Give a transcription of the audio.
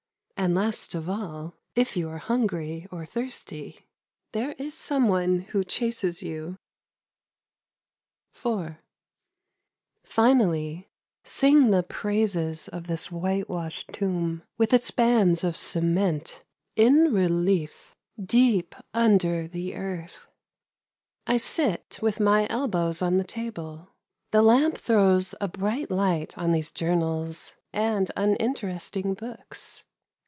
And last of all. if you are hungry or thirsty the:' one who ou. Three Prose Poems. II. IV. FINALLY, sing the praises of this white washed tomb, with its bands of cement in relief, — deep under the earth. I sit with my elbows on the table, the lamp throws a bright light on these journals and uninteresting books.